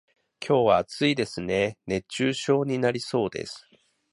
今日は暑いですね、熱中症になりそうです。